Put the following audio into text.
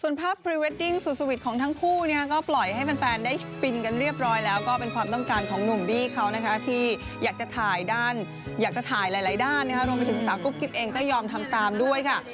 ส่วนภาพพรีเวดดิ้งสุดสวิทของทั้งคู่ก็ปล่อยให้แฟนได้ฟินกันเรียบร้อยแล้วก็เป็นความต้องการของหนุ่มบี้เขานะคะที่อยากจะถ่ายด้านอยากจะถ่ายหลายด้านรวมไปถึงสาวกุ๊กกิ๊บเองก็ยอมทำตามด้วยค่ะ